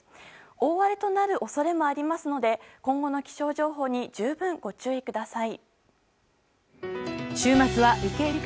大荒れとなる恐れもありますので今後の気象情報に十分ご注意ください。